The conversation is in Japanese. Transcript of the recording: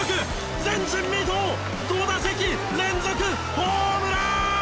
前人未到５打席連続ホームラン！